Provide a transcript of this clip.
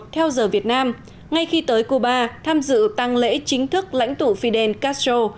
theo giờ việt nam ngay khi tới cuba tham dự tăng lễ chính thức lãnh tụ fidel castro